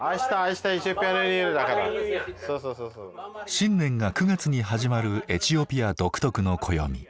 新年が９月に始まるエチオピア独特の暦。